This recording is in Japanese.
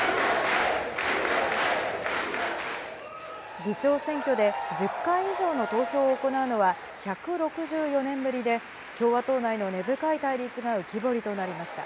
議長選挙で１０回以上の投票を行うのは１６４年ぶりで、共和党内の根深い対立が浮き彫りとなりました。